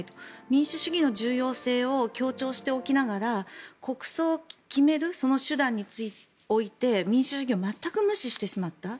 民主主義の重要性を強調しておきながら国葬を決めるその手段において民主主義を全く無視してしまった。